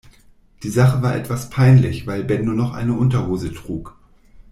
Die Sache war etwas peinlich, weil Ben nur noch eine Unterhose trug.